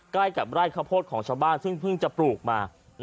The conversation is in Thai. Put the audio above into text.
ใกล้กับไร่ข้าวโพดของชาวบ้านซึ่งเพิ่งจะปลูกมา